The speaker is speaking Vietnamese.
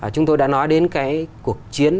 chúng tôi đã nói đến cái cuộc chiến